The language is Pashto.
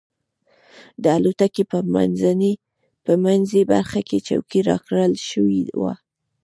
د الوتکې په منځۍ برخه کې چوکۍ راکړل شوې وه.